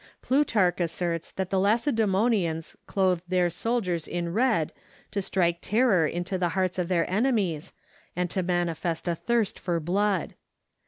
Plutarch asserts that the Lacedemonians clothed their soldiers in red to strike terror into the hearts of their enemies and to manifest a thirst for blood.